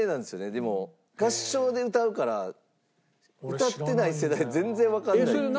でも合唱で歌うから歌ってない世代全然わかんないっていうね。